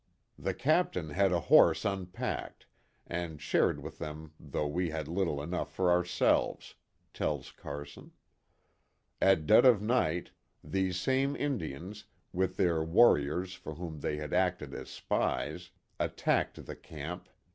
" The Captain had a horse unpacked, and shared with them though we had little enough for ourselves," tells Carson. At dead of night these same Indians, with their warriors for whom they had acted as spies, attacked the camp* and the man sleeping next Carson was killed first.